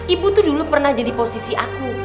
ibu tuh dulu pernah jadi posisi aku